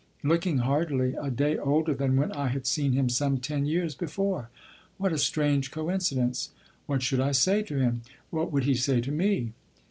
looking hardly a day older than when I had seen him some ten years before. What a strange coincidence! What should I say to him? What would he say to me?